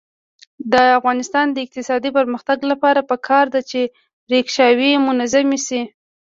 د افغانستان د اقتصادي پرمختګ لپاره پکار ده چې ریکشاوې منظمې شي.